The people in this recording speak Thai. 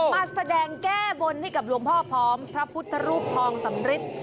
มาแสดงแก้บนให้กับหลวงพ่อพร้อมพระพุทธรูปทองสำริท